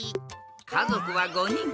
かぞくは５にん。